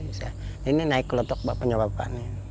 nah ini naik ke lotok pak penyobak bapak